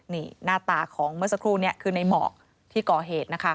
นี่หน้าตาของเมื่อสักครู่นี้คือในหมอกที่ก่อเหตุนะคะ